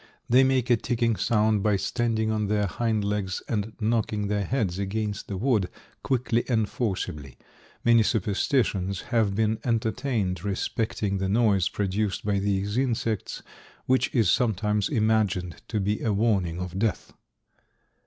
They make a ticking sound by standing on their hind legs and knocking their heads against the wood quickly and forcibly. Many superstitions have been entertained respecting the noise produced by these insects, which is sometimes imagined to be a warning of death.